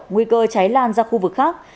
nguy cơ cháy lan ra khu vực khác